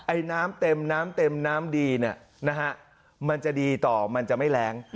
ไอน้ำเต็มน้ำดีนะฮะมันจะดีต่อมันจะไม่แร้ง